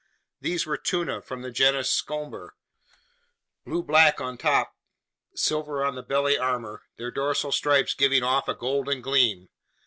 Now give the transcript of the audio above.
These were tuna from the genus Scomber, blue black on top, silver on the belly armor, their dorsal stripes giving off a golden gleam.